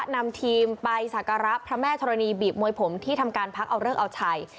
นำทีมไปสักการะพระแม่ธรณีบีบมวยผมที่ทำการพักเอาเลิกเอาชัย